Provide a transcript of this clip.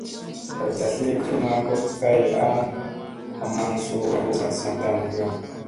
Ndat sli funa kot kay ha maŋ suuna azi tam kiyo.